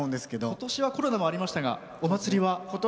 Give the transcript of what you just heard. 今年はコロナもありましたがお祭りは？